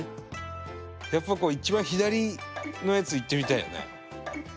やっぱこう一番左のやついってみたいよね。